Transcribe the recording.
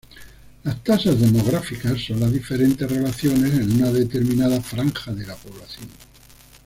Las tasas demográficas son las diferentes relaciones en una determinada franja de la población.